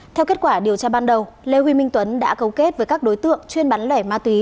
theo kết quả điều tra ban đầu lê huy minh tuấn đã cấu kết với các đối tượng chuyên bán lẻ ma túy